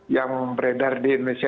yang beredar di indonesia